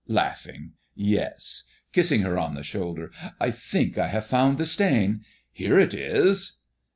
"Yes. [Kissing her on the shoulder.] I think I have found the stain. Here it is."